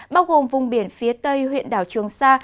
bao gồm vùng biển phía tây huyện đảo trường sa